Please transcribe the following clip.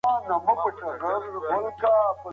پرمختيا يو روان بهير دی.